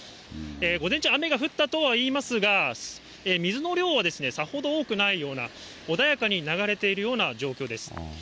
午前中、雨が降ったとはいいますが、水の量はさほど多くないような、穏やかに流れているような状況です。